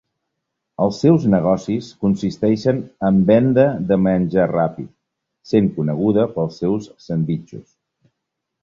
Els seus negocis consisteixen en venda de menjar ràpid, sent coneguda pels seus sandvitxos.